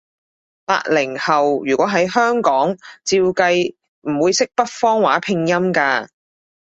八零後，如果喺香港，照計唔會識北方話拼音㗎